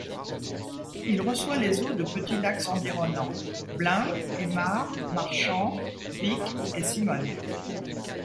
Il reçoit les eaux de petits lacs environnant: Blain, Émard, Marchand, Vic et Simone.